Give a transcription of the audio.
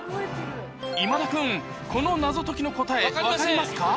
今田君この謎解きの答え分かりますか？